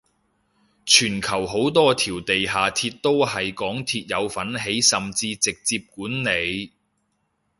全球好多條地下鐵都係港鐵有份起甚至直接管理